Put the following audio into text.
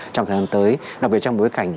trong thời gian tới đặc biệt trong bối cảnh